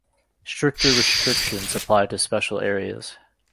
Stricter restrictions apply to "special areas".